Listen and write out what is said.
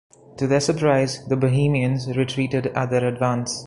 To their surprise, the Bohemians retreated at their advance.